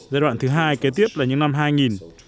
giai đoạn thứ hai kế tiếp là những năm hai nghìn